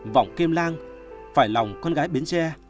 vọng kim lang phải lòng con gái bến tre